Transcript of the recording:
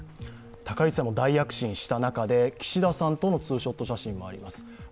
高市さんも大躍進した中で、岸田さんとのツーショット写真もあります。